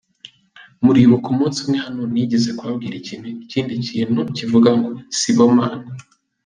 Muribuka, umunsi umwe hano, nigize kubabwira ikindi kintu kivuga ngo: ‘si bo Mana’.